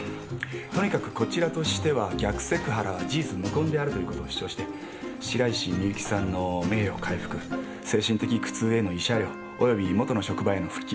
とにかくこちらとしては逆セクハラは事実無根であるということを主張して白石美由紀さんの名誉回復精神的苦痛への慰謝料および元の職場への復帰